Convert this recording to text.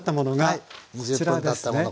はい２０分たったもの